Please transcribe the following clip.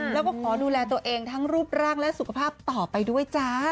แล้วก็ขอดูแลตัวเองทั้งรูปร่างและสุขภาพต่อไปด้วยจ้า